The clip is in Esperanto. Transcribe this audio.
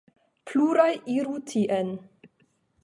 Pluraj iru tien.